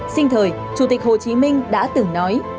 sinh thời chủ tịch hồ chí minh đã từng nói